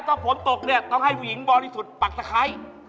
ถ้าผมตกต้องให้ผู้หญิงบอลนี่สุดปักสะไคร้